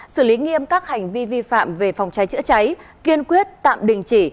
sử lý nghiêm các hành vi vi phạm về phòng trái chữa cháy kiên quyết tạm đình chỉ